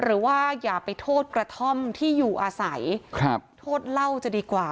หรือว่าอย่าไปโทษกระท่อมที่อยู่อาศัยโทษเล่าจะดีกว่า